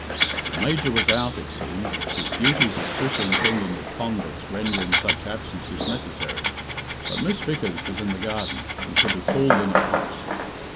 The Major was out, it seemed, his duties as Superintendent of Convicts rendering such absences necessary; but Miss Vickers was in the garden, and could be called in at once.